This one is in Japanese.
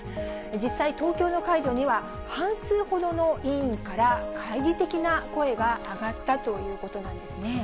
実際、東京の解除には、半数ほどの委員から懐疑的な声が上がったということなんですね。